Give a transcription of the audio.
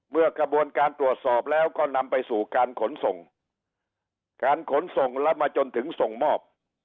เมื่อกระบวนการตรวจสอบแล้วก็นำไปสู่การขนส่งการขนส่งแล้วมาจนถึงส่งมอบ